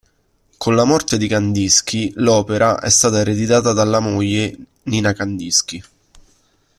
Con la morte di Kandinskij, l'opera e stata ereditata dalla moglie Nina Kandinskij.